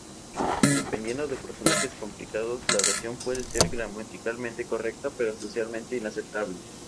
Dependiendo de personajes complicados, la oración puede ser gramaticalmente correcta, pero socialmente inaceptable.